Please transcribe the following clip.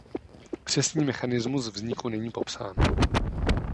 Přesný mechanismus vzniku není popsán.